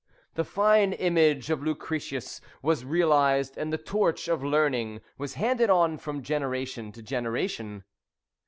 The fine image of Lucretius was realised, and the torch of learning was handed on from generation to generation.